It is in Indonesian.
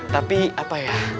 tapi apa ya